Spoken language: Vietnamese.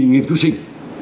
nghiên cứu sinh